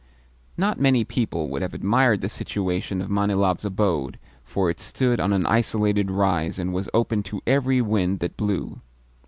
Not many people would have admired the situation of Manilov's abode, for it stood on an isolated rise and was open to every wind that blew.